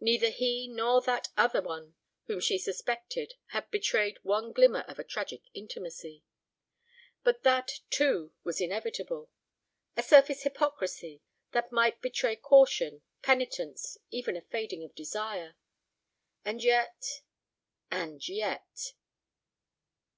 Neither he nor that other one whom she suspected had betrayed one glimmer of a tragic intimacy. But that, too, was inevitable—a surface hypocrisy that might betray caution, penitence, even a fading of desire. And yet—and yet!